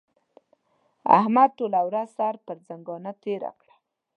احمد ټوله ورځ سر پر ځنګانه تېره کړه.